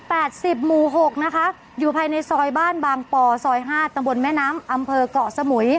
สิบหมู่หกนะคะอยู่ภายในซอยบ้านบางปอซอยห้าตำบลแม่น้ำอำเภอกเกาะสมุย